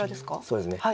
そうですね。